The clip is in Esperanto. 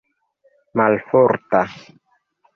malforta